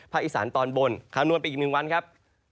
ภาคอีสานตอนบนคำนวณไปอีกหนึ่งวันครับ